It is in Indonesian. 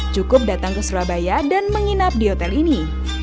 cukup datang ke surabaya dan menginap di hotel ini